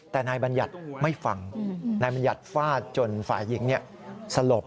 แต่นายบัญญัติไม่ฟังนายบัญญัติฟาดจนฝ่ายหญิงสลบ